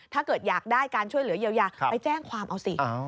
ถ้าเกิดอยากได้การช่วยเหลือเยียวยาไปแจ้งความเอาสิ